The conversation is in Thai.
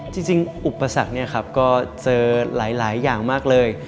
จริงอุปสรรคก็เจอหลายอย่างมากเลย